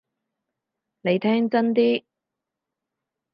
你聽真啲！